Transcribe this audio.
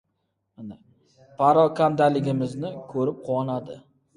Parokandaligimizni ko‘rib quvonadi!